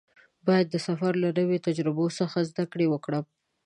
باید د سفر له نویو تجربو څخه زده کړه وکړم.